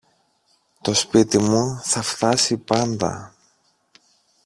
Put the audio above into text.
Το σπίτι μου θα φθάσει πάντα.